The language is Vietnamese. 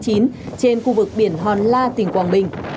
trên khu vực biển hòn la tỉnh quảng bình